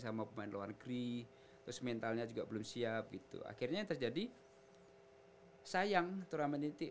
sama pemain luar negeri terus mentalnya juga belum siap itu akhirnya terjadi sayang turnamen ini